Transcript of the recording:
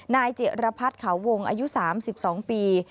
นายเจรพรรดิเขาวงอายุ๓๒ปี